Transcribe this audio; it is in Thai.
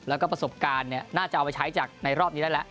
แล้วก็ประสบการณ์น่าจะเอาไปใช้จากในรอบนี้ได้แล้ว